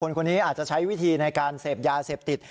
คนนี้อาจจะใช้วิธีในการเสพยาเสพติด